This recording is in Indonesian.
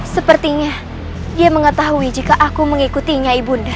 sepertinya dia mengetahui jika aku mengikutinya ibu nda